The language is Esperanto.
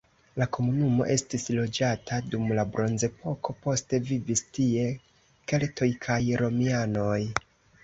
La komunumo estis loĝata dum la bronzepoko, poste vivis tie keltoj kaj romianoj.